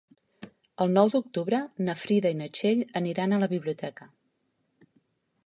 El nou d'octubre na Frida i na Txell aniran a la biblioteca.